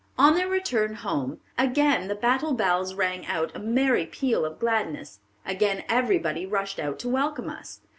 On their return home, "again the Battle bells rang out a merry peal of gladness; again everybody rushed out to welcome us.